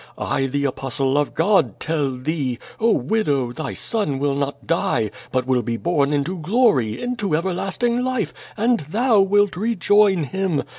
I, the Apostle of God, tell thee, oh, widow, thy son will not die, but will be born into glory, into everlasting life, and thou wilt rejoin him!